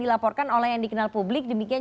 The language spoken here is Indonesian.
dilaporkan oleh yang dikenal publik demikian